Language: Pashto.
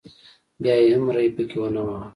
بیا یې هم ری پکې ونه واهه.